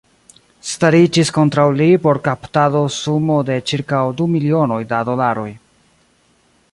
Stariĝis kontraŭ li por kaptado sumo de ĉirkaŭ du milionoj da dolaroj.